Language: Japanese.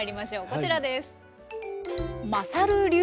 こちらです。